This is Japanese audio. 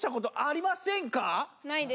・ないです。